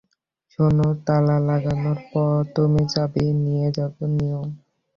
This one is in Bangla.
শুনো, তালা লাগানোর পর, তুমি চাবি নিয়ে নিয়ো।